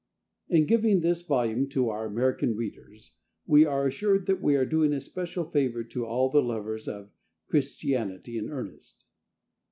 In giving this volume to our American readers, we are assured that we are doing a special favor to all the lovers of "Christianity in earnest."